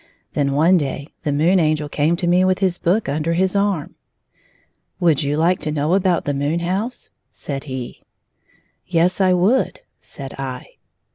Then one day the Moon Angel came to me with his book under his arm. "Would you like to know about the moon house ?" said he. " Yes ; I would," said I.